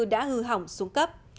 đã hư hỏng xuống cấp